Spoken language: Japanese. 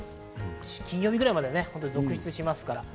金曜日くらいまで続出します。